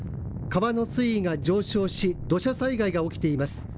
川の水位が上昇し土砂災害が起きています。